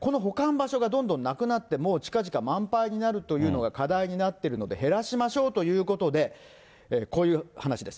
この保管場所がどんどんなくなって、もう、ちかぢか満杯になるというのが課題になってるので減らしましょうということで、こういう話です。